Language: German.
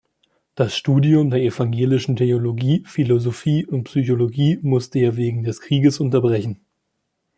Das Studium der Evangelischen Theologie, Philosophie und Psychologie musste er wegen des Krieges unterbrechen.